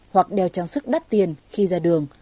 hoặc đeo trang sức đắt tiền khi ra đường